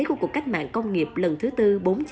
của cuộc cách mạng công nghiệp lần thứ tư bốn